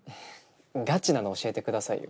ガチなの教えてくださいよ。